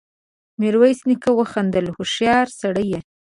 ميرويس نيکه وخندل: هوښيار سړی يې!